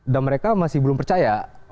dan mereka masih belum percaya